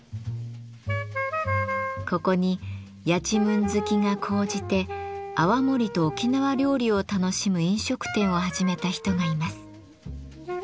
ここにやちむん好きが高じて泡盛と沖縄料理を楽しむ飲食店を始めた人がいます。